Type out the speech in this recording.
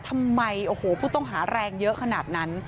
ทำไมโอ้โหผู้ต้องหาแรงเยอะขนาดนั้น